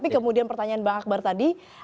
kemudian pertanyaan bang akbar tadi